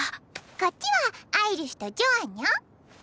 こっちはアイリスとジョアンにょ。